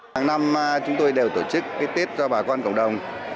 tháng năm chúng tôi đều tổ chức tết cho bà con cộng đồng